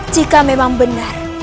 jika memang benar